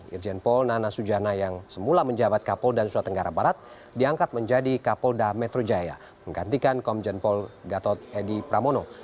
irjenpol nana sujana yang semula menjabat kapolda dan surat tenggara barat diangkat menjadi kapolda metro jaya menggantikan komjenpol gatot edi pramono